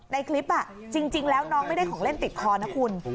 ในคลิปจริงแล้วน้องไม่ได้ของเล่นติดคอนะคุณ